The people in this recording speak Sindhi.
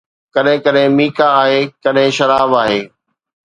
ڪڏھن ڪڏھن ميڪا آھي، ڪڏھن شراب آھي